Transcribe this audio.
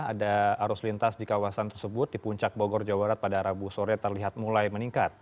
ada arus lintas di kawasan tersebut di puncak bogor jawa barat pada rabu sore terlihat mulai meningkat